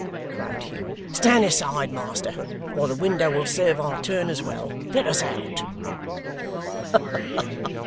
cried Hugh. 'Stand aside, master, or the window will serve our turn as well. Let us out!